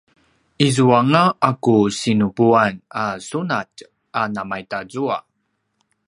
izuanga a ku sinupuan a sunatj a namatazua